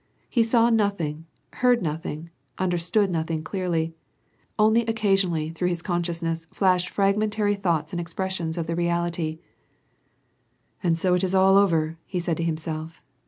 He saw nothing, heard nothing, understood nothing clearly. Only occasionally, through his consciousness flashed fragmentary thoughts and expressions of the realitjr. ^ "And so it is all over,^he said to himself.